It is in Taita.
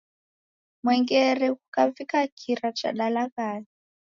Mwengere ghukavika, kira chadalaghaya.